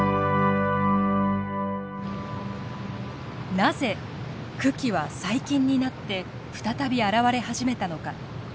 なぜ群来は最近になって再び現れ始めたのか？